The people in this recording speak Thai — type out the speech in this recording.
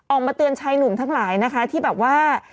ออกมาเตือนชายหนุ่มทั้งหลายนะคะที่แบบว่า